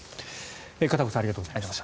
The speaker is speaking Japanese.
片岡さんありがとうございました。